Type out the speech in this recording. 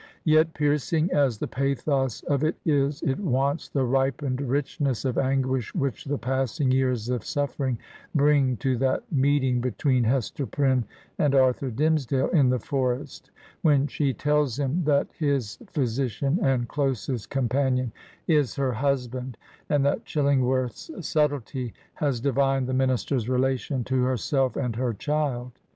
Yet piercing as the pathos of it is, it wants the ripened richness of anguish, which the passing years of suffering bring to that meeting between Hester Prynne and Arthur Dimmesdale in the forest, when she tells him that his physician and closest companion is her husband, and that Chilling worth's subtlety has divined the minister's relation to . i66 Digitized by VjOOQIC HAWTHORNE'S HESTER PRYNNE herself and her child.